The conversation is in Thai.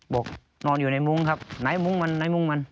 บอกนอนอยู่ในมุ้งครับไหนมุ้งมันไหนมุ้งมัน